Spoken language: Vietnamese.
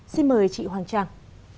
xin mời chị hoàng trang